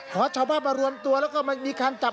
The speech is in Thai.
ขอชาวภาพมารวมตัวแล้วก็มามีการจับ